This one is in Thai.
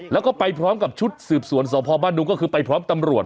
แล้วก็ไปพร้อมกับชุดสืบสวนสพบ้านดุงก็คือไปพร้อมตำรวจ